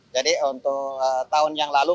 jadi untuk tahun yang lalu